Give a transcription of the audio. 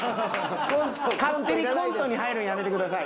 勝手にコントに入るんやめてください。